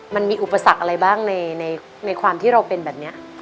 มันมีอุปสรรคอะไรบ้างในความที่เราเป็นแบบนี้